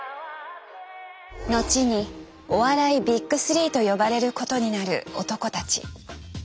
後にお笑いビッグ３と呼ばれることになる男たち。